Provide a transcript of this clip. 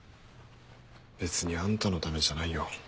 別にあんたのためじゃないよ。